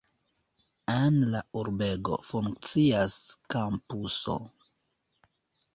En la urbego funkcias kampuso.